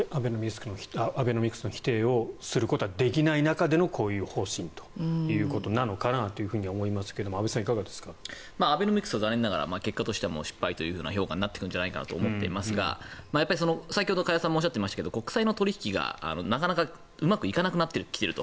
アベノミクスの否定をすることはできない中でのこういう方針なのかなと思いますがアベノミクスは残念ながら結果としては失敗という評価になっていくんじゃないかと思っていますが先ほど加谷さんもおっしゃいましたが国債の取引がなかなかうまくいかなくなってきてると。